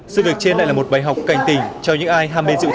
sự việc trên lại là một bài học cảnh tỉnh cho những ai